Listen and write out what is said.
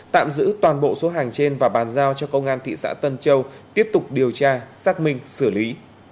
tạm giữ toàn bộ số hàng trên và bàn giao cho công an thị xã tân châu tiếp tục điều tra xác minh xử lý